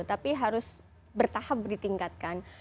tapi harus bertahap ditingkatkan